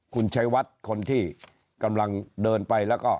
คุณชัยวัดคนที่กำลังเดินไปแล้วก็